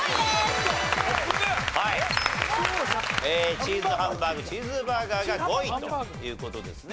チーズハンバーグチーズバーガーが５位という事ですね。